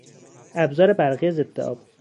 ابزار برقی ضد آب